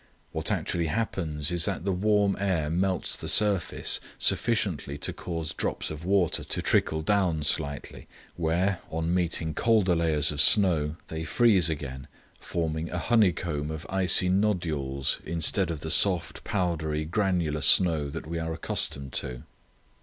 What actually happens is that the warm air melts the surface sufficiently to cause drops of water to trickle down slightly, where, on meeting colder layers of snow, they freeze again, forming a honeycomb of icy nodules instead of the soft, powdery, granular snow that we are accustomed to."